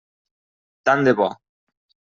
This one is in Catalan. Tant de bo.